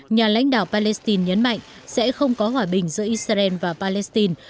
nhà lãnh đạo palestine nhấn mạnh sẽ không có hòa bình giữa israel và palestine